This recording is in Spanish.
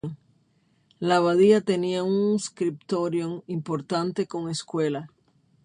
La abadía tenía un "scriptorium" importante, con escuela.